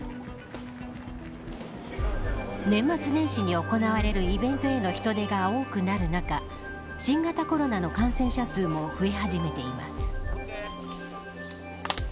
年末年始に行われるイベントへの人出が多くなる中新型コロナの感染者数も増え始めています。